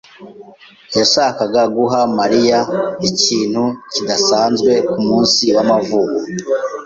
yashakaga guha Mariya ikintu kidasanzwe kumunsi w'amavuko.